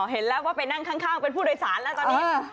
เห็นแล้วว่าไปนั่งข้างเป็นผู้โดยสารแล้วตอนนี้